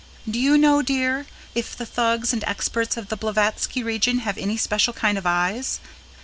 Do you know, dear, if the Thugs and Experts of the Blavatsky region have any special kind of eyes?